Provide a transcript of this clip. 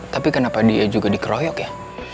tapi kenapa dia juga dikeroyok ya